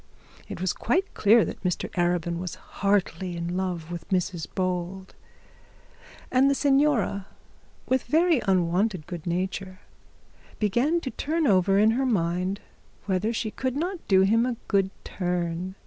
It was quite clear that Mr Arabin was heartily in love with Mrs Bold, and the signora, with very unwonted good nature, began to turn it over in her mind whether she could not do him a good turn.